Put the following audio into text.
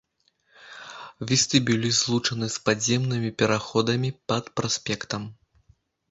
Вестыбюлі злучаны з падземнымі пераходамі пад праспектам.